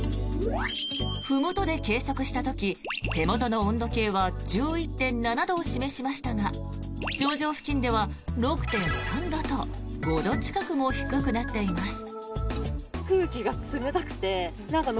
ふもとで計測した時手元の温度計は１１．７度を示しましたが頂上付近では６．３度と５度近くも低くなっています。